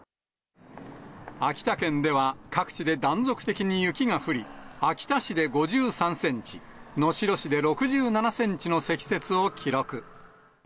秋田県では、各地で断続的に雪が降り、秋田市で５３センチ、能代市で６７センチの積雪を記録。